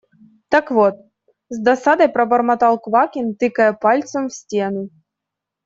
– Так вот… – с досадой пробормотал Квакин, тыкая пальцем в стену.